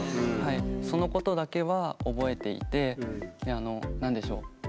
そのことだけは覚えていて何でしょう。